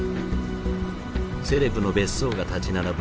セレブの別荘が立ち並ぶ